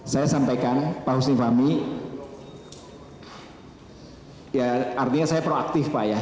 saya sampaikan pak husni fahmi ya artinya saya proaktif pak ya